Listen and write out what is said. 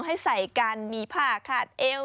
ให้ใส่กันมีผ้าขาดเอว